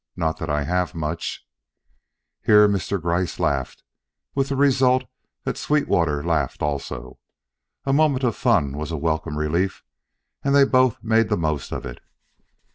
Not that I have much " Here Mr. Gryce laughed, with the result that Sweetwater laughed also. A moment of fun was a welcome relief, and they both made the most of it.